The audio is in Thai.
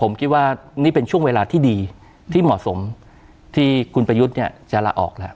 ผมคิดว่านี่เป็นช่วงเวลาที่ดีที่เหมาะสมที่คุณประยุทธ์เนี่ยจะลาออกแล้ว